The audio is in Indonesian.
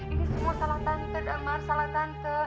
ini semua salah tante amar salah tante